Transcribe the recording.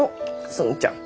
園ちゃん。